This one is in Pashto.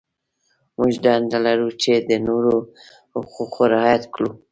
موږ دنده لرو چې د نورو حقوق رعایت کړو.